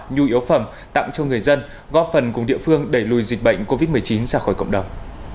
nhu yếu phẩm tặng cho người dân góp phần cùng địa phương đẩy lùi dịch bệnh covid một mươi chín ra khỏi cộng đồng